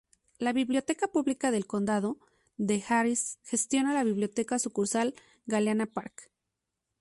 La Biblioteca Pública del Condado de Harris gestiona la Biblioteca Sucursal Galena Park.